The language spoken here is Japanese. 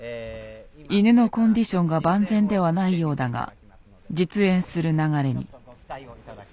犬のコンディションが万全ではないようだが実演する流れに。